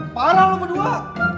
parah lo berdua